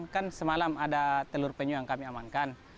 kan semalam ada telur penyu yang kami amankan